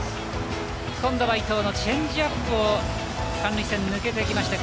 今度は伊藤のチェンジアップを三塁線に抜けていきました